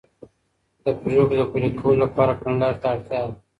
د پريکړو د پلي کولو لپاره کړنلاري ته اړتيا ده.